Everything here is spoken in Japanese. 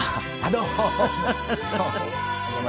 どうも。